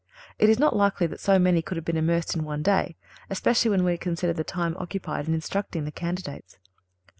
(353) It is not likely that so many could have been immersed in one day, especially when we consider the time occupied in instructing the candidates.